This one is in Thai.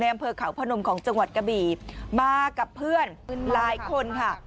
อำเภอเขาพนมของจังหวัดกะบี่มากับเพื่อนหลายคนค่ะ